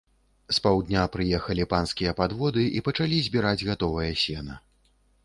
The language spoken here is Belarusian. З паўдня прыехалі панскія падводы і пачалі забіраць гатовае сена.